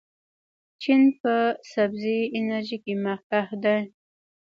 چین په سبزې انرژۍ کې مخکښ دی.